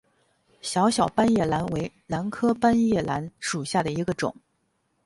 小小斑叶兰为兰科斑叶兰属下的一个种。